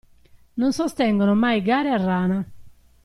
Non sostengono mai gare a rana.